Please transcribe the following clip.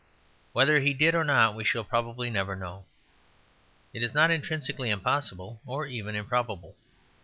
Whether he did or not we shall probably never know: it is not intrinsically impossible or even improbable.